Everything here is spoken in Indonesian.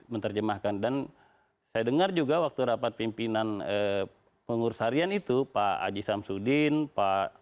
menerjemahkan dan saya dengar juga waktu rapat pimpinan pengurus harian itu pak aji samsudin pak